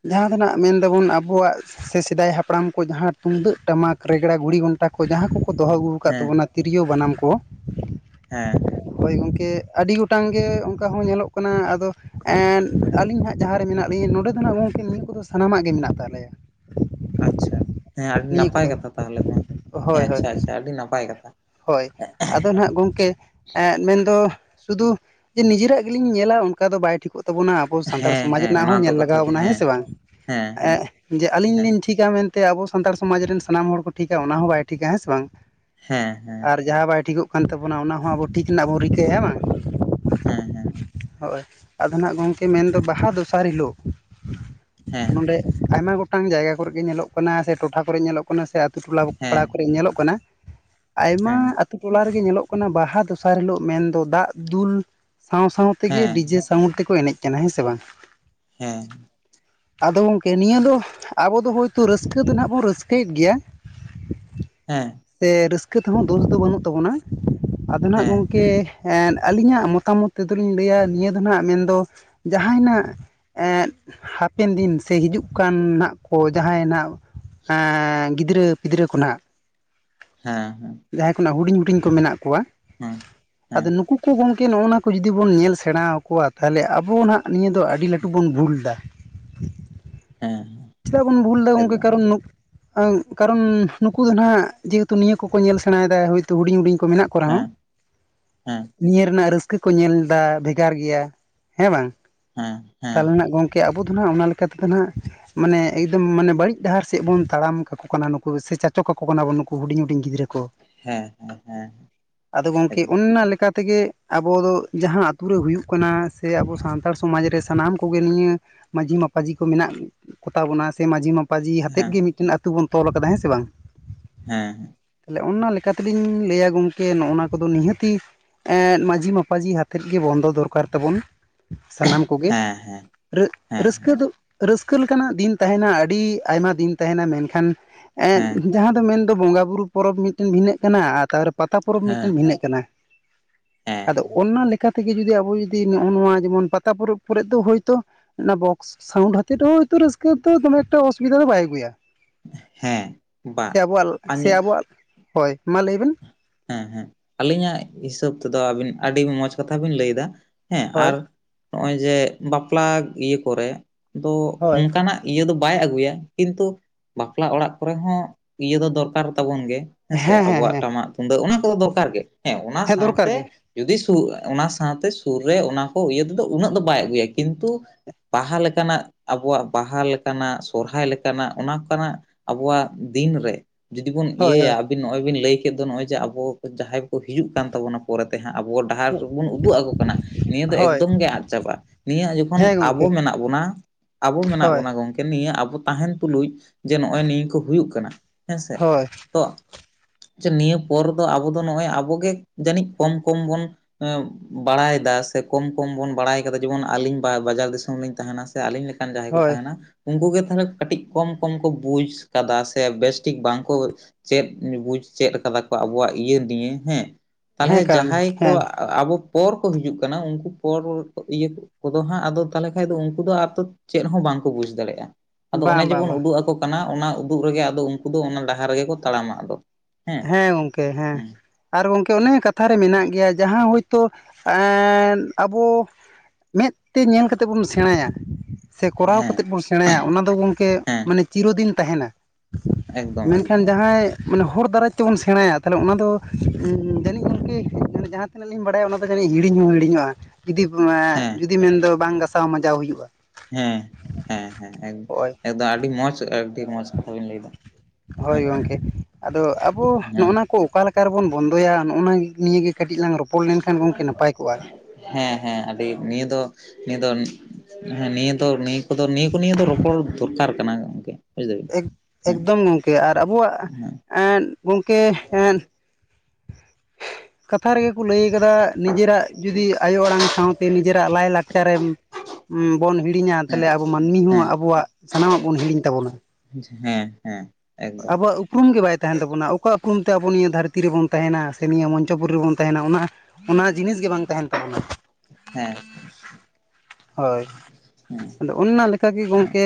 S2: ᱡᱟᱦᱟᱸ ᱫᱚᱱᱟᱦᱟᱜ ᱢᱮᱱ ᱮᱫᱟ ᱵᱚᱱ ᱟᱵᱚᱣᱟᱜ ᱥᱮ ᱥᱮᱫᱟᱭ ᱦᱟᱯᱲᱟᱢ ᱠᱚ ᱡᱟᱦᱟᱸ ᱛᱩᱢᱫᱟᱹᱜ ᱴᱟᱢᱟᱠ ᱨᱮᱜᱽᱲᱟ ᱜᱩᱲᱤ ᱜᱷᱚᱱᱴᱟ ᱠᱚ ᱡᱟᱦᱟᱸ ᱠᱚᱠᱚ ᱫᱚᱦᱚᱸ ᱟᱹᱜᱩ ᱟᱠᱟᱫ
S1: ᱦᱮᱸ
S2: ᱛᱟᱵᱚᱱᱟ ᱛᱤᱨᱭᱳᱣ ᱵᱟᱱᱟᱢ ᱠᱚ᱾
S1: ᱦᱮᱸ᱾
S2: ᱦᱳᱭ ᱜᱚᱝᱠᱮ ᱟᱹᱰᱤ ᱜᱚᱴᱟᱝ ᱜᱮ ᱚᱱᱠᱟ ᱦᱚᱸ ᱧᱮᱞᱚᱜ ᱠᱟᱱᱟ᱾ ᱮᱱ ᱟᱫᱚ ᱟᱹᱞᱤᱧ ᱦᱟᱸᱜ ᱡᱟᱦᱟᱸ ᱨᱮ ᱢᱮᱱᱟᱜ ᱞᱮᱤᱧᱟᱹ ᱱᱚᱸᱰᱮ ᱫᱚ ᱦᱟᱸᱜ ᱜᱚᱝᱠᱮ ᱱᱤᱭᱟᱹ ᱠᱚ ᱫᱚ ᱥᱟᱱᱟᱢᱟᱜ ᱜᱮ ᱢᱮᱱᱟᱜ ᱛᱟᱞᱮᱭᱟ᱾
S1: ᱟᱪᱪᱷᱟ ᱦᱮᱸ ᱟᱹᱰᱤ
S2: ᱱᱤᱭᱟᱹ
S1: ᱱᱟᱯᱟᱭ
S2: ᱠᱚᱫᱚ
S1: ᱠᱟᱛᱷᱟ ᱛᱟᱦᱚᱞᱮ ᱢᱟ ᱦᱮᱸ
S2: ᱦᱳᱭ ᱦᱳᱭ
S1: ᱟᱪᱪᱷᱟ ᱟᱪᱪᱷᱟ ᱟᱹᱰᱤ ᱱᱟᱯᱟᱭ ᱠᱟᱛᱷᱟ᱾
S2: ᱦᱳᱭ, ᱟᱫᱚ ᱱᱟᱦᱟᱸᱜ ᱜᱚᱝᱠᱮ ᱮᱜ ᱢᱮᱱᱫᱚ ᱥᱩᱫᱷᱩ ᱡᱮ ᱱᱤᱡᱮᱨᱟᱜ ᱜᱮ ᱞᱤᱧ ᱧᱮᱞᱟ ᱚᱱᱠᱟ ᱫᱚ ᱵᱟᱭ ᱴᱷᱤᱠᱚᱜ ᱛᱟᱵᱚᱱᱟ᱾ ᱟᱵᱚ ᱥᱟᱱᱛᱟᱲ
S1: ᱦᱮᱸ
S2: ᱥᱚᱢᱟᱡᱽ
S1: ᱦᱮᱸ
S2: ᱨᱮᱱᱟᱜ
S1: ᱚᱱᱟ
S2: ᱦᱚᱸ
S1: ᱛᱚ
S2: ᱧᱮᱞ
S1: ᱠᱟᱛᱷᱟ
S2: ᱞᱟᱜᱟᱣᱟ
S1: ᱜᱮ
S2: ᱵᱚᱱᱟ ᱦᱮᱸ ᱥᱮ ᱵᱟᱝ?
S1: ᱦᱮᱸ
S2: ᱡᱮ ᱟᱞᱤᱧ
S1: ᱦᱮᱸ
S2: ᱞᱤᱧ ᱴᱷᱤᱠ-ᱟ ᱢᱮᱱ ᱛᱮ ᱟᱵᱚ ᱥᱟᱱᱛᱟᱲ ᱥᱚᱢᱟᱡᱽ ᱨᱮᱱ ᱥᱟᱱᱟᱢ ᱦᱚᱲ ᱠᱚ ᱴᱷᱠ-ᱟ, ᱚᱱᱟ ᱦᱚᱸ ᱵᱟᱭ ᱴᱷᱤᱠ-ᱟ ᱦᱮᱸ ᱥᱮ ᱵᱟᱝ?
S1: ᱦᱮᱸ ᱦᱮᱸ᱾
S2: ᱟᱨ ᱡᱟᱦᱟᱸ ᱵᱟᱭ ᱴᱷᱤᱠᱚᱜ ᱠᱟᱱ ᱛᱟᱵᱚᱱᱟ ᱚᱱᱟ ᱦᱚᱸ ᱟᱵᱚ ᱴᱷᱤᱠ ᱨᱮᱱᱟᱜ ᱵᱚᱱ ᱨᱤᱠᱟᱹᱭᱟ ᱦᱮ ᱵᱟᱝ᱾
S1: ᱦᱮᱸ ᱦᱮᱸ᱾
S2: ᱦᱳᱭ, ᱟᱫᱚ ᱦᱟᱸᱜ ᱜᱚᱝᱠᱮ ᱢᱮᱱ ᱫᱚ ᱵᱟᱦᱟ ᱫᱚᱥᱟᱨ ᱦᱤᱞᱳᱜ
S1: ᱦᱮᱸ᱾
S2: ᱱᱚᱸᱰᱮ ᱟᱭᱢᱟ ᱜᱚᱴᱟᱝ ᱡᱟᱭᱜᱟ ᱠᱚᱨᱮ ᱜᱮ ᱧᱮᱞᱚᱜ ᱠᱟᱱᱟ, ᱥᱮ ᱴᱚᱴᱷᱟ ᱠᱚᱨᱮ ᱧᱮᱞᱚᱜ ᱠᱟᱱᱟ ᱚᱱᱟ ᱥᱮ ᱟᱛᱳ ᱴᱚᱞᱟ
S1: ᱦᱮᱸ
S2: ᱯᱟᱲᱟ
S1: ᱦᱮᱸ
S2: ᱠᱚᱨᱮ ᱧᱮᱞᱚᱜ ᱠᱟᱱᱟ
S1: ᱦᱮᱸ
S2: ᱟᱭᱢᱟ ᱟᱛᱳ ᱴᱚᱞᱟ ᱨᱮ ᱜᱮ ᱧᱮᱞᱚᱜ ᱠᱟᱱᱟ ᱵᱟᱦᱟ ᱫᱚᱥᱟᱨ ᱦᱤᱞᱚᱜ ᱢᱮᱱᱫᱚ ᱫᱟᱜ ᱫᱩᱞ ᱥᱟᱶ ᱥᱟᱶ ᱛᱮ ᱜᱮ
S1: ᱦᱮᱸ
S2: ᱰᱤᱡᱮ ᱥᱟᱣᱩᱱᱰ ᱛᱮ ᱠᱚ ᱮᱱᱮᱡ ᱠᱟᱱᱟ ᱦᱮᱸ ᱥᱮ ᱵᱟᱝ᱾
S1: ᱦᱮᱸ᱾
S2: ᱟᱫᱚ ᱜᱚᱝᱠᱮ ᱱᱤᱭᱟᱹ ᱫᱚ ᱟᱵᱚ ᱫᱚ ᱦᱳᱭᱛᱳ ᱨᱟᱹᱥᱠᱟᱹ ᱫᱚ ᱱᱟᱦᱟᱸᱜ ᱵᱚ ᱨᱟᱹᱥᱠᱟᱹᱭ ᱮᱫ ᱜᱮᱭᱟ
S1: ᱦᱮᱸ᱾
S2: ᱥᱮ ᱨᱟᱹᱥᱠᱟᱹ ᱛᱮᱦᱚᱸ ᱫᱳᱥ ᱫᱚ ᱵᱟᱹᱱᱩᱜ ᱛᱟᱵᱚᱱᱟ, ᱟᱫᱚ ᱦᱟᱸᱜ
S1: ᱦᱮᱸ
S2: ᱜᱚᱝᱠᱮ ᱮᱫ ᱟᱹᱞᱤᱧᱟᱜ ᱢᱚᱛᱟ ᱢᱚᱛ ᱛᱮ ᱫᱚ ᱞᱤᱧ ᱞᱟᱹᱭᱟ ᱱᱤᱭᱟᱹ ᱫᱚ ᱦᱟᱸᱜ ᱢᱮᱱᱫᱚ ᱡᱟᱦᱟᱭᱱᱟᱜ ᱮᱫ ᱦᱟᱯᱮᱱ ᱫᱤᱱ ᱥᱮ ᱦᱤᱡᱩᱜ ᱠᱟᱱ ᱦᱟᱸᱜ ᱠᱚ ᱡᱟᱦᱟᱸᱭ ᱱᱟᱜ ᱮ ᱜᱤᱫᱽᱨᱟᱹ ᱯᱤᱫᱽᱨᱟᱹ ᱠᱚᱱᱟᱜ
S1: ᱦᱮᱸ ᱦᱮᱸ᱾
S2: ᱡᱟᱦᱟᱸᱭ ᱠᱚᱱᱟᱜ ᱦᱩᱰᱤᱧ ᱦᱩᱰᱤᱧ ᱠᱚ ᱢᱮᱱᱟᱜ ᱠᱚᱣᱟ
S1: ᱦᱮᱸ
S2: ᱟᱫᱚ
S1: ᱦᱮᱸ
S2: ᱱᱩ ᱩᱱᱠᱩ ᱜᱚᱢᱠᱮ ᱱᱚᱜᱼᱱᱟ ᱠᱚ ᱡᱩᱫᱤ ᱵᱚᱱ ᱧᱮᱞ ᱥᱮᱸᱲᱟ ᱟᱠᱚᱣᱟ ᱛᱟᱦᱚᱞᱮ, ᱟᱵᱚ ᱱᱟᱦᱟᱜ ᱱᱤᱭᱟᱹ ᱫᱚ ᱟᱹᱰᱤ ᱞᱟᱹᱴᱩ ᱵᱚᱱ ᱵᱷᱩᱞ ᱫᱟ᱾
S1: ᱦᱮᱸ
S2: ᱪᱮᱫᱟᱜ ᱵᱚᱱ ᱵᱷᱩᱞ ᱫᱟ ᱜᱚᱢᱠᱮ
S1: ᱮᱠᱫᱚᱢ
S2: ᱠᱟᱨᱚᱱ
S1: ᱮᱠᱫᱚᱢ
S2: ᱮ ᱠᱟᱨᱚᱱ ᱱᱩᱠᱩ ᱫᱚ ᱱᱟᱦᱟᱜ ᱡᱮᱦᱮᱛᱩ ᱱᱤᱭᱟᱹ ᱠᱚᱠᱚ ᱧᱮᱞ ᱥᱮᱸᱲᱟᱭ ᱮᱫᱟ, ᱦᱭᱛᱳ ᱦᱩᱰᱤᱧ ᱦᱩᱰᱤᱧ ᱠᱚ ᱢᱮᱱᱟᱜ ᱠᱚ ᱠᱚᱨᱮ ᱦᱚᱸ
S1: ᱦᱮᱸ ᱦᱮᱸ
S2: ᱱᱤᱭᱟᱹ ᱨᱮᱱᱟᱜ ᱨᱟᱹᱥᱠᱟᱹ ᱠᱚ ᱧᱮᱞ ᱮᱫᱟ ᱵᱷᱮᱜᱟᱨ ᱜᱮᱭᱟ ᱦᱮᱸ ᱵᱟᱝ᱾
S1: ᱦᱮᱸ ᱦᱮᱸ
S2: ᱛᱟᱞᱦᱮ ᱱᱟᱜ ᱜᱚᱝᱠᱮ ᱟᱵᱚ ᱫᱚ ᱱᱟᱜ ᱚᱱᱟ ᱞᱮᱠᱟ ᱛᱮ ᱫᱚ ᱱᱟᱜ ᱢᱟᱱᱮ ᱮᱠᱫᱚᱢ ᱢᱟᱱᱮ ᱵᱟᱹᱲᱤᱡ ᱰᱟᱦᱟᱨ ᱥᱮᱫ ᱵᱚᱱ ᱛᱟᱲᱟᱢ ᱠᱟᱠᱚ ᱠᱟᱱᱟ ᱱᱩᱠᱩ, ᱥᱮ ᱪᱟᱪᱚ ᱠᱟᱠᱚ ᱠᱟᱱᱟᱵᱚᱱ ᱱᱩᱠᱩ ᱦᱩᱰᱤᱧ ᱦᱩᱰᱤᱧ ᱜᱤᱫᱽᱨᱟᱹ ᱠᱚ᱾ ᱠᱚ
S1: ᱦᱮᱸ ᱦᱮᱸ ᱦᱮᱸ
S2: ᱟᱫᱚ ᱜᱚᱝᱠᱮ
S1: ᱮᱠᱫᱚᱢ
S2: ᱚᱱᱱᱟ ᱞᱮᱠᱟ ᱛᱮ ᱜᱮ ᱟᱵᱚ ᱫᱚ ᱡᱟᱦᱟᱸ ᱟᱛᱩ ᱨᱮ ᱦᱩᱭᱩᱜ ᱠᱟᱱᱟ, ᱥᱮ ᱟᱵᱚ ᱥᱟᱱᱛᱟᱲ ᱥᱚᱢᱟᱡᱽ ᱨᱮ ᱥᱟᱱᱟᱢ ᱠᱚ ᱜᱮ ᱱᱤᱭᱟᱹ ᱢᱟᱹᱡᱷᱤ ᱢᱟᱯᱟᱡᱷᱤ ᱠᱚ ᱢᱮᱱᱟᱜ ᱠᱚᱛᱟ ᱵᱚᱱᱟ ᱥᱮ ᱢᱟᱡᱷᱤ ᱢᱟᱯᱟ ᱯᱟᱹᱡᱤ ᱦᱟᱛᱮᱫ
S1: ᱦᱮᱸ
S2: ᱜᱮ ᱢᱤᱫᱴᱮᱱ ᱟᱹᱛᱩ ᱵᱚᱱ ᱛᱚᱞ ᱟᱠᱟᱫᱟ ᱦᱮᱸ ᱥᱮ ᱵᱟᱝ᱾
S1: ᱦᱮᱸ᱾
S2: ᱛᱟᱦᱚᱞᱮ ᱚᱱᱟ ᱞᱮᱠᱟ ᱛᱮᱞᱤᱧ ᱞᱟᱹᱭᱟ ᱜᱚᱢᱠᱮ ᱱᱚᱜᱼᱱᱟ ᱠᱚᱫᱚ ᱱᱤᱦᱟᱹᱛᱤ ᱮᱜ ᱢᱟᱟᱹᱡᱷᱤ ᱢᱟᱯᱟᱡᱷᱤ ᱦᱟᱛᱮᱫ ᱜᱮ ᱵᱚᱱᱫᱚ ᱫᱚᱨᱠᱟᱨ ᱛᱟᱵᱚᱱ ᱥᱟᱱᱟᱢ
S1: ᱦᱮᱸ
S2: ᱠᱚᱜᱮ᱾
S1: ᱦᱮᱸ ᱦᱮᱸ
S2: ᱨᱟᱹ ᱨᱟᱹᱥᱠᱟᱹ
S1: ᱦᱮᱸ
S2: ᱫᱚ ᱨᱟᱹᱥᱠᱟᱹ ᱞᱮᱠᱟᱱᱟᱜ ᱫᱤᱱ ᱛᱟᱦᱮᱸᱱᱟ ᱟᱹᱰᱤ ᱟᱭᱢᱟ ᱫᱤᱱ ᱛᱟᱦᱮᱸᱱᱟ᱾ ᱢᱮᱱ ᱠᱷᱟᱱ ᱮᱫ ᱡᱟᱦᱟᱸ ᱫᱚ ᱢᱮᱱᱫᱚ ᱵᱚᱸᱜᱟ ᱵᱩᱨᱩ ᱯᱚᱨᱚᱵᱽ ᱢᱤᱫᱴᱮᱱ ᱵᱷᱤᱱᱟᱹᱜ ᱠᱟᱱᱟ ᱛᱟᱯᱚᱨᱮ ᱯᱟᱛᱟ ᱯᱚᱨᱚᱵᱽ
S1: ᱦᱮᱸ
S2: ᱢᱤᱫᱴᱮᱱ
S1: ᱦᱮᱸ
S2: ᱵᱷᱤᱱᱟᱹᱜ ᱠᱟᱱᱟ
S1: ᱦᱮᱸ
S2: ᱟᱫᱚ ᱚᱱᱟ ᱠᱟ ᱛᱮᱜᱮ ᱡᱩᱫᱤ ᱟᱵᱚ ᱡᱩᱫᱤ ᱱᱚᱜᱼᱚ ᱱᱚᱣᱟ ᱡᱮᱢᱚᱱ ᱯᱟᱛᱟ ᱯᱚᱨᱚᱵ ᱠᱚᱨᱮ ᱫᱚ ᱦᱚᱭᱛᱳ ᱚᱱᱟ ᱵᱚᱠᱥ᱾ ᱥᱟᱣᱩᱱᱰ ᱦᱟᱹᱛᱤᱨ ᱦᱚ ᱦᱚᱭᱛᱚ ᱨᱟᱹᱥᱠᱟᱹ ᱫᱚᱢᱮ ᱮᱠᱴᱟ ᱚᱥᱩᱵᱤᱫᱷᱟ ᱫᱚ ᱵᱟᱭ ᱟᱹᱜᱩᱭᱟ ᱾
S1: ᱦᱮᱸ
S2: ᱥᱮ
S1: ᱵᱟ
S2: ᱟᱵᱚᱣᱟᱜ ᱥᱮ
S1: ᱟᱸᱡᱚ
S2: ᱟᱵᱚᱣᱟᱜ ᱦᱳᱭ ᱢᱟ ᱞᱟᱹᱭ ᱵᱤᱱ ᱾
S1: ᱦᱮᱸ ᱦᱮᱸ ᱟᱹᱞᱤᱧᱟᱜ ᱦᱤᱥᱟᱹᱵ ᱛᱮᱫᱚ ᱟᱵᱤᱱ ᱟᱹᱰᱤ ᱢᱚᱸᱡᱽ ᱠᱟᱛᱷᱟ ᱵᱤᱱ ᱞᱟᱹᱭᱫᱟ ᱾ ᱦᱮᱸ
S2: ᱦᱳᱭ
S1: ᱟᱨ ᱱᱚᱜᱼᱚᱭ ᱡᱮ ᱵᱟᱯᱞᱟ ᱤᱭᱟᱹ ᱠᱚᱨᱮ ᱫᱚ
S2: ᱦᱳᱭ
S1: ᱚᱱᱠᱟᱱᱟᱜ ᱤᱭᱟᱹ ᱫᱚ ᱵᱟᱭ ᱟᱹᱜᱩᱭᱟ ᱠᱤᱱᱛᱩ ᱵᱟᱯᱞᱟ ᱚᱲᱟᱜ ᱠᱚᱨᱮ ᱦᱚᱸ ᱤᱭᱟᱹ ᱫᱚ ᱫᱚᱨᱠᱟᱨ ᱛᱟᱵᱚᱱ ᱜᱮ ᱾ ᱦᱮᱸᱥᱮ
S2: ᱦᱮᱸ ᱦᱮᱸ
S1: ᱟᱵᱚᱣᱟᱜ
S2: ᱦᱮᱸ
S1: ᱴᱟᱢᱟᱠ ᱛᱩᱢᱫᱟᱜ ᱚᱱᱟ ᱠᱚᱫᱚ ᱫᱚᱨᱠᱟᱨ ᱜᱮ, ᱦᱮᱸ ᱚᱱᱟ
S2: ᱫᱚᱨᱠᱟᱨ ᱜᱮ
S1: ᱥᱟᱶᱛᱮ ᱡᱩᱫᱤ ᱥᱩ ᱚᱱᱟ ᱥᱟᱶᱛᱮ ᱥᱩᱨ ᱨᱮ ᱚᱱᱟ ᱠᱚ ᱤᱭᱟᱹ ᱛᱮᱫᱚ ᱩᱱᱟᱹᱜ ᱫᱚ ᱵᱟᱭ ᱟᱹᱜᱩᱭᱟ ᱠᱤᱱᱛᱩ ᱵᱟᱦᱟ ᱞᱮᱠᱟᱱᱟᱜ ᱟᱵᱚᱣᱟᱜ ᱵᱟᱦᱟ ᱞᱮᱠᱟᱱᱟᱜ ᱥᱚᱨᱦᱟᱭ ᱞᱮᱠᱟᱱᱟᱜ ᱚᱱᱟᱠᱟᱱᱟᱜ ᱟᱵᱚᱣᱟᱜ ᱫᱤᱱᱨᱮ ᱡᱩᱫᱤ ᱵᱚᱱ
S2: ᱦᱳᱭ
S1: ᱤᱭᱟᱹᱭᱟ ᱟᱵᱤᱱ ᱱᱚᱜ-ᱚᱭ ᱵᱤᱱ ᱞᱟᱹᱭ ᱠᱮᱫ ᱫᱚ ᱱᱚᱜᱼᱚᱭ ᱡᱮ ᱟᱵᱚ ᱠᱚ ᱡᱟᱦᱟᱸᱭ ᱠᱚ ᱦᱤᱡᱩᱜ ᱠᱟᱱ ᱛᱟᱵᱚᱱᱟ ᱯᱚᱨᱮᱛᱮ ᱦᱟᱸᱜ ᱟᱵᱚ ᱰᱟᱦᱟᱨ
S2: ᱦᱳᱭ
S1: ᱵᱚᱱ ᱩᱫᱩᱜ ᱟᱠᱚ ᱠᱟᱱᱟ ᱱᱤᱭᱟᱹ ᱫᱚ
S2: ᱦᱳᱭ
S1: ᱮᱠᱫᱚᱢ ᱜᱮ ᱟᱫ ᱪᱟᱵᱟᱜᱼᱟ, ᱱᱤᱭᱟᱹ ᱡᱚᱠᱷᱚᱱ
S2: ᱦᱮᱸ
S1: ᱟᱵᱚ
S2: ᱜᱚᱢᱠᱮ
S1: ᱢᱮᱱᱟᱜ ᱵᱚᱱᱟ ᱟᱵᱚ ᱢᱮᱱᱟᱜ
S2: ᱦᱳᱭ
S1: ᱵᱚᱱᱟ ᱜᱚᱢᱠᱮ ᱱᱤᱭᱟᱹ ᱟᱵᱚ ᱛᱟᱦᱮᱱ ᱛᱩᱞᱩᱡ ᱡᱮ ᱱᱚᱜᱼᱚᱭ ᱱᱤᱭᱟᱹ ᱠᱚ ᱦᱩᱭᱩᱜ ᱠᱟᱱᱟ ᱦᱮᱸᱥᱮ
S2: ᱦᱳᱭ
S1: ᱛᱚ ᱥᱮ ᱱᱤᱭᱟᱹ ᱯᱚᱨ ᱫᱚ ᱟᱵᱚ ᱫᱚ ᱱᱚᱜᱼᱚᱭ ᱟᱵᱚᱜᱮ ᱡᱟᱹᱱᱤᱡ ᱠᱚᱢ ᱠᱚᱢ ᱵᱚᱱ ᱵᱟᱲᱟᱭᱮᱫᱟ ᱥᱮ ᱠᱚᱢ ᱠᱚᱢ ᱵᱚᱱ ᱵᱟᱲᱟᱭ ᱠᱟᱫᱟ, ᱡᱮᱢᱚᱱ ᱟᱹᱞᱤᱧ ᱵᱟ ᱵᱟᱡᱟᱨ ᱫᱤᱥᱚᱢ ᱨᱮᱞᱤᱧ ᱛᱟᱦᱮᱱᱟ ᱥᱮ ᱟᱹᱞᱤᱧ ᱞᱮᱠᱟᱱ ᱡᱟᱦᱟᱸᱭ ᱠᱚ
S2: ᱦᱳᱭ
S1: ᱛᱟᱦᱮᱱᱟ ᱩᱱᱠᱩ ᱜᱮ ᱛᱟᱦᱞᱮ ᱠᱟᱹᱴᱤᱡ ᱠᱚᱢ ᱠᱚᱢ ᱠᱚ ᱵᱩᱡ ᱠᱟᱫᱟ ᱥᱮ ᱵᱮᱥᱴᱷᱤᱠ ᱵᱟᱝᱠᱚ ᱪᱮᱫ ᱵᱩᱡᱽ ᱪᱮᱫ ᱠᱟᱫᱟ ᱠᱚ ᱟᱵᱚᱣᱟᱜ ᱤᱭᱟᱹ ᱱᱤᱭᱮ ᱦᱮᱸ,
S2: ᱦᱮᱸ
S1: ᱛᱟᱦᱚᱞᱮ
S2: ᱠᱟᱨᱚᱱ
S1: ᱡᱟᱦᱟᱸᱭ ᱠᱚ
S2: ᱦᱮᱸ
S1: ᱟᱵᱚ ᱯᱚᱨ ᱠᱚ ᱦᱤᱡᱩᱜ ᱠᱟᱱᱟ ᱩᱱᱠᱩ ᱯᱚᱨ ᱤᱭᱟᱹ ᱠᱚᱫᱚ ᱦᱟᱸᱜ ᱟᱫᱚ ᱛᱟᱦᱚᱞᱮ ᱠᱷᱟᱡ ᱫᱚ ᱩᱱᱠᱩ ᱫᱚ ᱟᱨ ᱛᱚ ᱪᱮᱫ ᱦᱚᱸ ᱵᱟᱝᱠᱚ ᱵᱩᱡᱽ ᱫᱟᱲᱮᱜᱼᱟ ᱾ ᱟᱫᱚ ᱚᱱᱮ
S2: ᱵᱟᱝ ᱵᱟᱝ
S1: ᱡᱮᱵᱚᱱ
S2: ᱵᱟᱝ
S1: ᱩᱫᱩᱜ ᱟᱠᱚ ᱠᱟᱱᱟ ᱚᱱᱟ ᱩᱫᱩᱜ ᱨᱮᱜᱮ ᱟᱫᱚ ᱩᱱᱠᱩ ᱫᱚ ᱚᱱᱟ ᱰᱟᱦᱟᱨ ᱨᱮᱜᱮ ᱠᱚ ᱛᱟᱲᱟᱢᱟ ᱟᱫᱚ ᱦᱮᱸ ᱾
S2: ᱦᱮᱸ ᱜᱚᱝᱠᱮ ᱦᱮᱸ ᱟᱨ ᱜᱚᱝᱠᱮ ᱚᱱᱮ ᱠᱟᱛᱷᱟ ᱨᱮ ᱢᱮᱱᱟᱜ ᱜᱮᱭᱟ ᱡᱟᱦᱟᱸ ᱦᱳᱭ ᱛᱳ ᱮᱸᱫ ᱟᱵᱚ ᱢᱮᱫ ᱛᱮ ᱧᱮᱞ ᱠᱟᱛᱮᱫ ᱵᱚᱱ ᱥᱮᱬᱟᱭᱟ ᱥᱮ ᱠᱚᱨᱟᱣ
S1: ᱦᱮᱸ
S2: ᱠᱟᱛᱮᱫ ᱵᱚᱱ ᱥᱮᱬᱟᱭᱟ ᱚᱱᱟ ᱫᱚ ᱜᱚᱢᱠᱮ
S1: ᱦᱮᱸ
S2: ᱢᱟᱱᱮ ᱪᱤᱨᱚᱫᱤᱱ ᱛᱟᱦᱮᱱᱟ
S1: ᱮᱠᱫᱚᱢ ᱮᱠᱫᱚᱢ
S2: ᱢᱮᱱᱠᱷᱟᱱ ᱡᱟᱦᱟᱸᱭ ᱢᱟᱱᱮ ᱦᱚᱲ ᱫᱟᱨᱟᱭ ᱛᱮᱵᱚᱱ ᱥᱮᱬᱟᱭᱟ ᱛᱟᱦᱚᱞᱮ ᱚᱱᱟ ᱫᱚ ᱡᱟᱹᱱᱤᱡ ᱜᱚᱝᱠᱮ ᱢᱟᱱᱮ ᱡᱟᱦᱟᱸ ᱛᱤᱱᱟᱹᱜ ᱞᱤᱧ ᱵᱟᱲᱟᱭᱟ ᱚᱱᱟ ᱫᱚ ᱦᱤᱲᱤᱧ ᱦᱚᱸ ᱦᱤᱲᱤᱧᱚᱜᱼᱟ ᱡᱩᱫᱤ
S1: ᱦᱮᱸ
S2: ᱡᱩᱫᱤ ᱢᱮᱱ ᱫᱚ ᱵᱟᱝ ᱜᱟᱥᱟᱣ ᱢᱟᱡᱟᱣ ᱦᱩᱭᱩᱜᱼᱟ ᱾
S1: ᱦᱮᱸ ᱦᱮᱸ ᱦᱮᱸ ᱮᱠ ᱮᱠᱫᱚᱢ ᱟᱹᱰᱤ ᱢᱚᱸᱡᱽ ᱟᱹᱰᱤ ᱢᱚᱸᱡᱽ ᱠᱟᱛᱷᱟ ᱵᱤᱱ ᱞᱟᱹᱭ ᱮᱫᱟ ᱾
S2: ᱦᱳᱭ ᱜᱚᱝᱠᱮ ᱟᱫᱚ ᱟᱵᱚ
S1: ᱦᱮᱸ
S2: ᱱᱚᱜᱼᱱᱟ ᱠᱚ ᱚᱠᱟ ᱞᱮᱠᱟ ᱨᱮᱵᱚᱱ ᱵᱚᱱᱫᱚᱭᱟ ᱱᱚᱜᱼᱱᱟ ᱱᱤᱭᱟᱹᱜᱮ ᱠᱟᱹᱴᱤᱡ ᱞᱟᱝ ᱨᱚᱯᱚᱲ ᱞᱮᱱᱠᱷᱟᱱ ᱜᱚᱝᱠᱮ ᱱᱟᱯᱟᱭ ᱠᱚᱜᱼᱟ ᱾
S1: ᱦᱮᱸ ᱦᱮᱸ ᱟᱹᱰᱤ ᱱᱤᱭᱟᱹ ᱫᱚ ᱱᱤᱭᱟᱹ ᱫᱚ ᱱᱤᱭᱟᱹ ᱫᱚ ᱠᱚᱫᱚ ᱱᱤᱭᱟᱹ ᱠᱚ ᱱᱤᱭᱮ ᱫᱚ ᱨᱚᱯᱚᱲ ᱫᱚᱨᱠᱟᱨ ᱠᱟᱱᱟ ᱜᱚᱝᱠᱮ ᱾
S2: ᱮᱠ ᱮᱠᱫᱚᱢ ᱜᱚᱝᱠᱮ ᱟᱨ ᱟᱵᱚᱣᱟᱜ
S1: ᱦᱮᱸ
S2: ᱮᱸᱫ ᱜᱚᱝᱠᱮ ᱮᱸᱫ ᱠᱟᱛᱷᱟ ᱨᱮᱜᱮ ᱠᱚ ᱞᱟᱹᱭ ᱠᱟᱫᱟ, ᱱᱤᱡᱮᱨᱟᱜ ᱡᱩᱫᱤ ᱟᱭᱳ ᱟᱲᱟᱝ ᱥᱟᱶᱛᱮ ᱱᱤᱡᱮᱨᱟᱜ ᱞᱟᱭᱼᱞᱟᱠᱪᱟᱨᱮᱢ ᱵᱚᱱ ᱦᱤᱲᱤᱧᱟ
S1: ᱦᱮᱸ
S2: ᱛᱟᱦᱞᱮ ᱟᱵᱚ ᱢᱟᱹᱱᱢᱤ ᱦᱚᱸ
S1: ᱦᱮᱸ
S2: ᱟᱵᱩᱣᱟᱜ ᱥᱟᱱᱟᱢᱟᱜ ᱵᱚᱱ ᱦᱤᱲᱤᱧ ᱛᱟᱵᱚᱱᱟ ᱾
S1: [UNINTELLIGIBLE] ᱦᱮᱸ ᱾ ᱦᱮᱸ ᱮᱠᱫᱚᱢ ᱾
S2: ᱩᱯᱩᱨᱩᱢ ᱜᱮ ᱵᱟᱭ ᱛᱟᱦᱮ ᱛᱟᱵᱚᱱᱟ ᱾ ᱚᱠᱟ ᱩᱯᱩᱨᱩᱢ ᱛᱮ ᱟᱵ ᱱ ᱫᱷᱟᱹᱨᱛᱤ ᱨᱮᱵᱚᱱ ᱛᱟᱦᱮᱱᱟ ᱥᱮ ᱱᱤᱭᱟᱹ ᱢᱚᱧᱪᱚ ᱯᱩᱨᱤ ᱨᱮᱵᱚᱱ ᱛᱟᱦᱮᱱᱟ ᱚᱱᱟ, ᱚᱱᱟ ᱡᱤᱱᱤᱥ ᱜᱮ ᱵᱟᱝ ᱛᱟᱦᱮᱱ ᱛᱟᱵᱚᱱᱟ ᱾
S1: ᱦᱮᱸ ᱾
S2: ᱦᱳᱭ, ᱟᱫᱚ ᱚᱱᱱᱟ ᱞᱮᱠᱟ ᱜᱮ ᱜᱚᱝᱠᱮ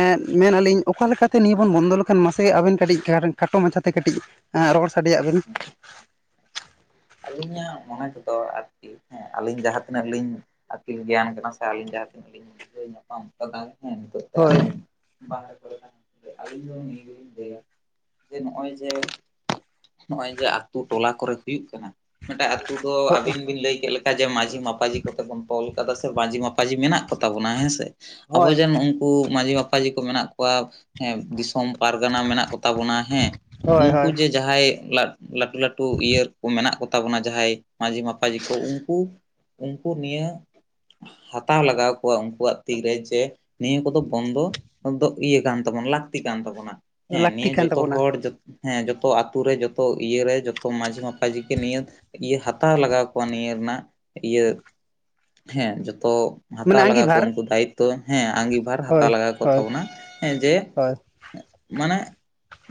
S2: ᱮᱸᱫ ᱢᱮᱱ ᱟᱞᱤᱧ ᱚᱠᱟ ᱞᱮᱠᱟᱛᱮ ᱱᱤᱭᱟᱹ ᱵᱚᱱ ᱵᱚᱱᱫᱚ ᱞᱮᱠᱷᱟᱱ ᱢᱟᱥᱮ ᱟᱵᱮᱱ ᱠᱟᱹᱴᱤᱡ ᱠᱷᱟᱴ ᱠᱷᱟᱴᱚ ᱢᱟᱪᱷᱟᱛᱮ ᱠᱟᱹᱴᱤᱡ ᱮᱸᱜ ᱨᱚᱲ ᱥᱟᱰᱮᱭᱟᱜ ᱵᱮᱱ ᱾
S1: ᱟᱞᱤᱧᱟᱜ ᱢᱚᱱᱮ ᱛᱮᱫᱚ ᱟᱨᱠᱤ ᱦᱮᱸ ᱟᱹᱞᱤᱧ ᱡᱟᱦᱟᱸ ᱛᱤᱱᱟᱹᱜ ᱞᱤᱧ ᱟᱹᱠᱤᱞ ᱜᱮᱭᱟᱱ ᱠᱟᱱᱟ ᱥᱮ ᱟᱹᱞᱤᱧ ᱡᱟᱦᱟᱸ ᱛᱤᱱᱟᱹᱜ ᱞᱤᱧ [UNINTELLIGIBLE] ᱱᱟᱯᱟᱢ [UNINTELLIGIBLE] ᱦᱮᱸ ᱱᱤᱛᱳᱜ ᱛᱮ
S2: ᱦᱳᱭ
S1: ᱟᱞᱤᱧ ᱵᱟᱦᱨᱮ ᱠᱚᱨᱮᱱᱟᱜ ᱟᱹᱞᱤᱧ ᱫᱚ ᱱᱤᱭᱟᱹ ᱜᱮᱞᱤᱧ ᱞᱟᱹᱭᱟ ᱡᱮ ᱱᱚᱸᱜᱼᱚᱭ ᱡᱮ ᱱᱚᱸᱜᱼᱚᱭ ᱡᱮ ᱟᱛᱳ ᱴᱚᱞᱟ ᱠᱚᱨᱮ ᱦᱩᱭᱩᱜ ᱠᱟᱱᱟ ᱢᱮᱴᱮᱜ ᱟᱛᱩ ᱫᱚ ᱟᱵᱤᱱ ᱵᱤᱱ ᱞᱮᱭ ᱠᱮᱜ ᱞᱮᱠᱟ ᱡᱮ ᱢᱟᱺᱡᱷᱤ ᱢᱟᱯᱟᱡᱷᱤ ᱠᱚᱛᱮ ᱵᱚᱱ ᱛᱚᱞ ᱠᱟᱫᱟ ᱥᱮ ᱢᱟᱺᱡᱷᱤ ᱢᱟᱯᱟᱡᱷᱤ ᱢᱮᱱᱟᱜ ᱠᱚᱛᱟ ᱵᱚᱱᱟ ᱦᱮᱸᱥᱮ ᱟᱵᱚ
S2: ᱦᱳᱭ
S1: ᱡᱮ ᱱᱩᱝᱠᱩ ᱢᱟᱺᱡᱷᱤ ᱢᱟ ᱡᱷᱤ ᱠᱚ ᱢᱮᱱᱟᱜ ᱠᱚᱣᱟ ᱦᱮ ᱫᱤᱥᱚᱢ ᱯᱟᱨᱜᱟᱱᱟ ᱢᱮᱱᱟᱜ ᱠᱚᱛᱟ ᱵᱚᱱᱟ ᱦᱮᱸ
S2: ᱦᱳᱭ
S1: ᱩᱝᱠᱩ
S2: ᱦᱳᱭ
S1: ᱡᱮ ᱡᱟᱸᱦᱟᱸᱭ ᱞᱟ ᱞᱟᱹᱴᱷᱩ ᱞᱟᱹᱴᱷᱩ ᱤᱭᱟᱹ ᱠᱚ ᱢᱮᱱᱟᱜ ᱠᱚ ᱛᱟᱵᱚᱱᱟ ᱡᱟᱸᱦᱟᱸᱭ ᱢᱟᱹᱡᱷᱤ ᱢᱟᱯᱟᱡᱷᱤ ᱠᱚ ᱩᱝᱠᱩ ᱩᱝᱠᱩ ᱱᱤᱭᱟᱹ ᱦᱟᱛᱟᱣ ᱞᱟᱜᱟᱣ ᱠᱚᱣᱟ ᱩᱱᱠᱩᱣᱟᱜ ᱛᱤᱨᱮ ᱡᱮ ᱱᱤᱭᱟᱹ ᱠᱚᱫᱚ ᱵᱚᱱᱫᱚ ᱫᱚ ᱤᱭᱟᱹ ᱠᱟᱱ ᱛᱟᱵᱚᱱ ᱞᱟᱹᱠᱛᱤ ᱠᱟᱱ ᱛᱟᱵᱚᱱᱟ ᱦᱮᱸ
S2: ᱞᱟᱹᱠᱛᱤ
S1: ᱱᱤᱭᱟᱹ
S2: ᱠᱟᱱ
S1: ᱡᱚᱛᱚ
S2: ᱛᱟᱵᱚᱱᱟ
S1: ᱦᱚᱲ ᱡᱚ ᱦᱮᱸ ᱡᱚᱛᱚ ᱟᱛᱩ ᱨᱮ ᱡᱚᱛᱚ ᱤᱭᱟᱹᱨᱮ ᱡᱚᱛᱚ ᱢᱟᱹᱡᱷᱤ ᱢᱟᱯᱟᱡᱷᱤ ᱱᱤᱭᱟᱹ ᱤᱭᱟᱹ ᱦᱟᱛᱟᱣ ᱞᱟᱜᱟᱣ ᱠᱚᱣᱟ ᱱᱤᱭᱟᱹ ᱱᱟᱜ ᱤᱭᱟᱹ ᱦᱮᱸ ᱡᱚᱛᱚ ᱦᱟᱛᱟ
S2: ᱢᱟᱱᱮ
S1: ᱞᱟᱜᱟᱶ ᱠᱚ
S2: ᱟᱸᱜᱤᱵᱷᱟᱨ
S1: ᱩᱱᱠᱩ ᱫᱟᱭᱤᱛᱛᱚ ᱦᱮᱸ ᱟᱸᱜᱤᱵᱷᱟᱨ ᱦᱟᱛᱟ
S2: ᱦᱳᱭ
S1: ᱞᱟᱜᱟᱣ ᱠᱚ
S2: ᱦᱳᱭ
S1: ᱛᱟᱵᱚᱱᱟ ᱦᱮᱸ ᱡᱮ
S2: ᱦᱳᱭ
S1: ᱢᱟᱱᱮ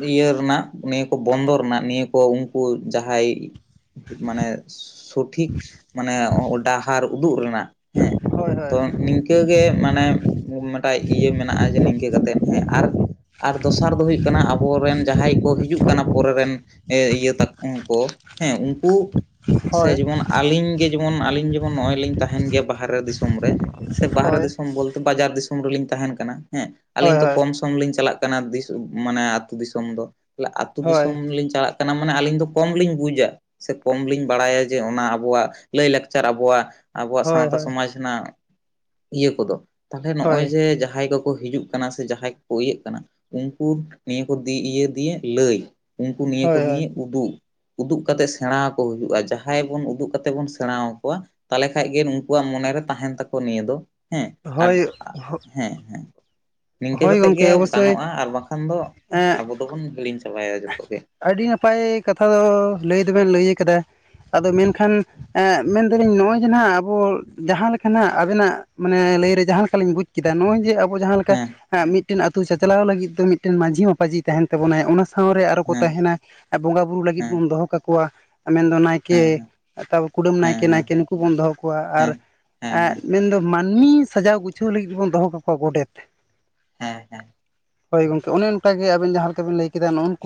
S1: ᱤᱭᱟᱹ ᱨᱮᱱᱟᱜ ᱱᱤᱭᱟᱹ ᱠᱚ ᱵᱚᱱᱫᱚ ᱨᱮᱱᱟᱜ ᱱᱤᱭᱟᱹ ᱠᱚ ᱩᱝᱠᱩ ᱡᱟᱦᱟᱸᱭ ᱢᱟᱱᱮ ᱥᱚᱴᱷᱤᱠ ᱢᱟᱱᱮ ᱚ ᱚ ᱰᱟᱦᱟᱨ ᱩᱫᱩᱜ ᱨᱮᱱᱟᱜ ᱦᱮᱸ
S2: ᱦᱳᱭ
S1: ᱛᱚ ᱱᱤᱝ ᱠᱟᱹ ᱜᱮ ᱢᱟᱱᱮ ᱱᱚᱝᱠᱟ ᱤᱭᱟᱹ ᱢᱮᱱᱟᱜᱼᱟ ᱡᱮ ᱱᱤᱝᱠᱟᱹ ᱠᱟᱛᱮᱜ ᱦᱮᱸ ᱟᱨ ᱟᱨ ᱫᱚᱥᱟᱨ ᱫᱚ ᱦᱩᱭᱩᱜ ᱠᱟᱱᱟ ᱟᱵᱚᱨᱮᱱ ᱡᱟᱦᱟᱸᱭ ᱠᱚ ᱦᱤᱡᱩᱜ ᱠᱟᱱᱟ ᱯᱚᱨᱮ ᱨᱮᱱ ᱮ ᱤᱭᱟᱹ ᱛᱟᱠᱚ ᱚᱝᱠᱚ ᱦᱮᱸ ᱩᱱᱠᱩ ᱥᱮ
S2: ᱦᱳᱭ
S1: ᱡᱮᱢᱚᱱ ᱟᱞᱤᱧ ᱜᱮ ᱡᱮᱢᱚᱱ ᱟᱞᱤᱧ ᱡᱮᱢᱚᱱ ᱱᱚᱸᱜᱼᱚᱭ ᱞᱤᱧ ᱛᱟᱦᱮᱸᱱ ᱜᱮ ᱵᱟᱦᱟᱨᱮ ᱫᱤᱥᱚᱢ ᱨᱮ ᱥᱮ ᱵᱟᱦᱟᱨᱮ
S2: ᱦᱳᱭ
S1: ᱫᱤᱥᱚᱢ ᱵᱚᱞ ᱵᱟᱡᱟᱨ ᱫᱤᱥᱚᱢ ᱨᱮᱞᱤᱧ ᱛᱟᱦᱮᱸᱱ ᱠᱟᱱᱟ, ᱦᱮ ᱟᱞᱤᱧ
S2: ᱦᱳᱭ
S1: ᱛᱚ ᱠᱚᱢ ᱠᱚᱢ ᱞᱤᱧ ᱪᱟᱞᱟᱜ ᱠᱟᱱᱟ ᱫᱤᱥ ᱢᱟᱱᱮ ᱟᱛᱩ ᱫᱤᱥᱚᱢ ᱫᱚ
S2: ᱦᱳᱭ
S1: ᱟᱛᱩ
S2: ᱦᱳᱭ
S1: ᱫᱤᱥᱚᱢ ᱞᱤᱧ ᱪᱟᱞᱟᱜ ᱠᱟᱱᱟ ᱢᱟᱱᱮ ᱟᱞᱤᱧ ᱫᱚ ᱠᱚᱢ ᱞᱤᱧ ᱵᱩ ᱡᱟ ᱥᱮ ᱠᱚᱢ ᱞᱤᱧ ᱵᱟᱲᱟᱭᱟ ᱡᱮ ᱚᱱᱟ ᱟᱵᱚᱣᱟᱜ ᱞᱟᱭᱞᱟᱠᱪᱟᱨ ᱟᱵᱚᱣᱟᱜ ᱟᱵᱚᱣᱟᱜ
S2: ᱦᱳᱭ ᱦᱳᱭ
S1: ᱥᱟᱹᱶᱛᱟ ᱥᱚᱢᱟᱡᱽ ᱚᱱᱟ-ᱤᱭᱟᱹ ᱠᱚᱫᱚ ᱛᱟᱦᱚᱞᱮ ᱱᱚᱸᱜᱼᱚᱭ
S2: ᱦᱳᱭ
S1: ᱡᱮ ᱡᱟᱦᱟᱸᱭ ᱠᱚᱠᱚ ᱦᱤᱡᱩᱜ ᱠᱟᱱᱟ ᱥᱮ ᱡᱟᱦᱟᱸᱭ ᱠᱚ ᱤᱭᱟᱹᱜ ᱠᱟᱱᱟ ᱩᱝᱠᱩ ᱱᱤᱭᱟᱹ ᱠᱚ ᱫᱤ ᱤᱭᱟᱹ ᱫᱤᱭᱮ ᱞᱟᱹᱭ ᱩᱝᱠᱩ ᱱᱤᱭᱟᱹ ᱠᱚ ᱱᱤᱭᱮ
S2: ᱦᱳᱭ
S1: ᱩᱫᱩᱜ ᱩᱫᱩᱜ ᱠᱟᱛᱮ ᱥᱮᱬᱟ ᱟᱠᱚ ᱦᱩᱭᱩᱜᱼᱟ ᱡᱟᱦᱟᱸᱭ ᱵᱚᱱ ᱩᱫᱩᱜ ᱠᱟᱛᱮ ᱵᱚᱱ ᱥᱮᱬᱟᱣ ᱠᱚᱣᱟ, ᱛᱟᱦᱞᱮ ᱠᱷᱟᱡ ᱜᱮ ᱱᱩᱠᱩᱣᱟᱜ ᱢᱚᱱᱮᱨᱮ ᱛᱟᱦᱮᱸᱱ ᱛᱟᱠᱚ ᱱᱤᱭᱟᱹ ᱫᱚ᱾ ᱦᱮᱸ ᱟᱨ
S2: ᱦᱳᱭ ᱦᱳᱜ
S1: ᱦᱮᱸ ᱦᱮᱸ᱾ ᱱᱤᱝᱠᱟᱹ ᱠᱟᱛᱮᱜ ᱜᱮ
S2: ᱚᱵᱚᱥᱥᱳᱭ
S1: ᱜᱟᱱᱚᱜᱼᱟ ᱟᱨ ᱵᱟᱝᱠᱷᱟᱱ ᱫᱚ
S2: ᱮᱸ
S1: ᱟᱵᱚ ᱫᱚᱵᱚᱱ ᱦᱤᱲᱤᱧ ᱪᱟᱵᱟᱭᱟ ᱡᱷᱚᱛᱚ ᱜᱮ᱾
S2: ᱟᱹᱰᱤ ᱱᱟᱯᱟᱭ ᱠᱟᱛᱷᱟ ᱫᱚ ᱞᱟᱹᱭ ᱫᱚᱵᱚᱱ ᱞᱟᱹᱭ ᱠᱟᱫᱟ ᱟᱫᱚ ᱢᱮᱱᱠᱷᱟᱱ ᱮᱸᱜ ᱢᱮᱱᱫᱟᱞᱤᱧ ᱱᱚᱣᱟ ᱜᱮ ᱱᱟᱸᱜ ᱟᱵᱚ ᱡᱟᱦᱟᱸ ᱞᱮᱠᱟ ᱱᱟᱸᱜ ᱟᱵᱚᱱᱟᱜ ᱢᱟᱱᱮ ᱞᱟᱹᱭᱨᱮ ᱡᱟᱦᱟᱸ ᱞᱮᱠᱟᱞᱤᱧ ᱵᱩᱡ ᱠᱮᱫᱟ ᱱᱚᱸᱜᱼᱚᱭ ᱡᱮ ᱟᱵᱚ ᱡᱟᱦᱟᱸ
S1: ᱦᱮᱸ
S2: ᱦᱟᱸᱢᱤᱫᱴᱤᱝ ᱟᱹᱛᱩᱳ ᱪᱟᱪᱞᱟᱣ ᱞᱟᱹᱜᱤᱫ ᱢᱤᱫᱴᱮᱱ ᱢᱟᱹᱡᱷᱤ ᱢᱟᱯᱟᱡᱷᱤ ᱛᱟᱦᱮᱸᱱ ᱛᱟᱵᱚᱱᱟᱭ ᱚᱱᱟ ᱥᱟᱶᱨᱮ ᱟᱨᱚ ᱠᱚ
S1: ᱦᱮᱸ
S2: ᱛᱟᱦᱮᱸᱱᱟ ᱵᱚᱸᱜᱟ ᱵᱩᱨᱩ ᱞᱟᱹᱜᱤᱫ
S1: ᱦᱮᱸ
S2: ᱵᱚᱱ ᱫᱚᱦᱚ ᱠᱟᱠᱚᱣᱟ ᱢᱮᱱᱫᱚ ᱱᱟᱭᱠᱮ
S1: ᱦᱮᱸ
S2: ᱛᱟᱣ ᱠᱩᱰᱟᱹᱢ
S1: ᱦᱮᱸ
S2: ᱱᱟᱭᱠᱮ
S1: ᱦᱮᱸ ᱦᱮᱸ
S2: ᱱᱟᱭᱠᱮ ᱠᱩᱵᱚᱱ ᱫᱚᱦᱚ ᱠᱚᱣᱟ
S1: ᱦᱮᱸ
S2: ᱟᱨ
S1: ᱦᱮᱸ ᱦᱮᱸ
S2: ᱮᱸᱜ
S1: ᱦᱮᱸ
S2: ᱢᱮᱱᱫᱚ ᱢᱟᱹᱱᱢᱤ ᱥᱟᱡᱟᱣ ᱜᱩᱪᱷᱟᱹᱣ ᱞᱟᱹᱜᱤᱫᱵᱚᱱ ᱫᱚᱦᱚ ᱠᱟᱠᱚᱣᱟ ᱜᱚᱰᱮᱛ᱾
S1: ᱦᱮᱸ ᱦᱮᱸ᱾
S2: ᱦᱳᱭ ᱜᱚᱝᱠᱮ ᱚᱱᱮ ᱚᱱᱠᱟᱜ ᱜᱮ ᱟᱵᱤᱱ ᱡᱟᱦᱟᱸ ᱞᱮᱠᱟᱵᱤᱱ ᱞᱟᱹᱭ ᱠᱮᱫᱟ ᱱᱩᱜ ᱩᱱᱠᱩ